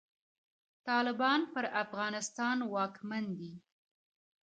طالبان پر افغانستان واکمن دی.